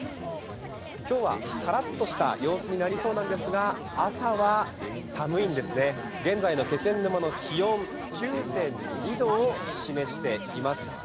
今日はカラッとした陽気になりそうですが朝は寒いんですね、現在の気仙沼の気温９．２度を示しています。